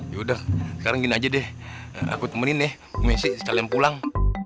yaudah sekarang gini aja deh aku temenin deh messi sekalian pulang